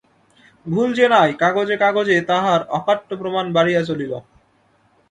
ভুল যে নাই, কাগজে কাগজে তাহার অকাট্য প্রমাণ বাড়িয়া চলিল।